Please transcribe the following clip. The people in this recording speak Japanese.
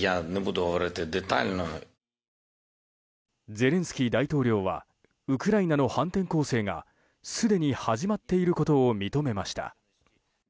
ゼレンスキー大統領はウクライナの反転攻勢がすでに始まっていることを認めました。